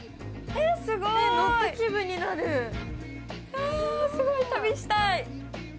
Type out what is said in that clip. あすごい旅したい。